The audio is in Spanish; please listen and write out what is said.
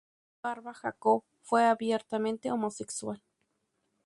Barba Jacob fue abiertamente homosexual.